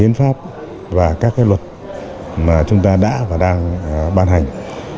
hiến pháp và các cái luật mà chúng ta đã và đang ban hành